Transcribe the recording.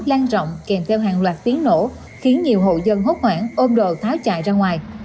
lan rộng kèm theo hàng loạt tiếng nổ khiến nhiều hộ dân hốt hoảng ôm đồ tháo chạy ra ngoài